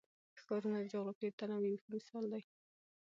ښارونه د جغرافیوي تنوع یو ښه مثال دی.